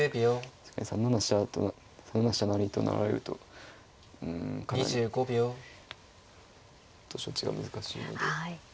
確かに３七飛車成と成られるとうんかなり処置が難しいので。